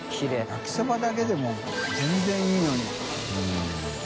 焼きそばだけでも全然いいのに。